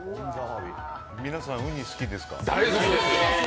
皆さん、うに好きですか？